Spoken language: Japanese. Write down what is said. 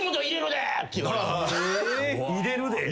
「入れるで」